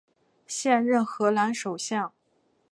现任荷兰首相。